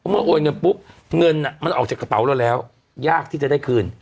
โอนเงินปุ๊บเงินมันออกจากกระเป๋าเราแล้วยากที่จะได้คืน